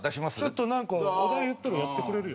ちょっとなんかお題言ったらやってくれるよ。